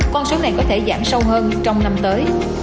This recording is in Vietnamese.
con số này có thể giảm sâu hơn trong năm tới